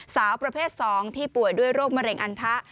สาวประเภท๒ที่ป่วยด้วยโรคมะเร็งอันทะ